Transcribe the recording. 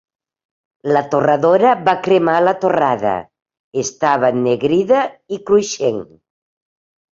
La torradora va cremar la torrada; estava ennegrida i cruixent.